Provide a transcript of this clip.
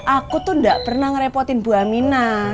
aku tuh nggak pernah ngerepotin bu aminah